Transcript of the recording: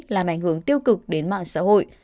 làm ảnh hưởng tiêu cực đến mạng xã hội